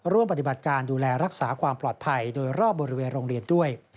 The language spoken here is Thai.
ร่วมปฏิบัติการดูแลรักษาความปลอดภัยโดยรอบบริเวณโรงเรียนด้วย